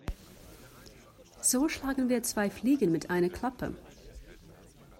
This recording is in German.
So schlagen wir zwei Fliegen mit einer Klappe.